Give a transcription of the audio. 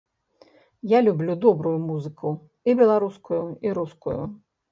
Я люблю добрую музыку, і беларускую, і рускую.